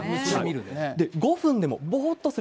５分でもぼーっとする。